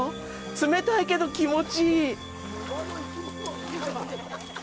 冷たいけど気持ちいい。